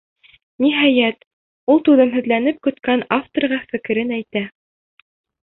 Ниһайәт, ул түҙемһеҙләнеп көткән авторға фекерен әйтә.